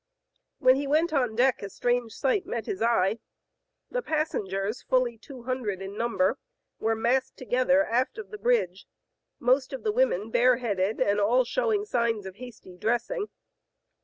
When he went on deck a strange sight met his eye. The pas sengers, fully two hundred in number, were massed together aft of the bridge, most of the women bareheaded and all showing signs of hasty dressing.